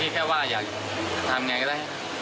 แค่ว่าอยากทำไงก็ได้